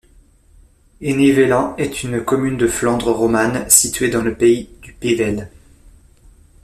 Ennevelin est une commune de Flandre romane, située dans le pays du Pévèle.